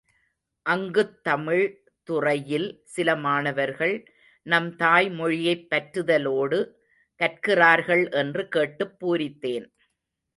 அங்குத் தமிழ் துறையில் சில மாணவர்கள், நம் தாய் மொழியைப் பற்றுதலோடு கற்கிகிறார்கள் என்று கேட்டுப் பூரித்தேன்.